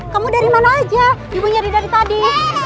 kamu dari mana aja ibu nyari dari tadi